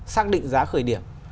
xác định giá khởi điểm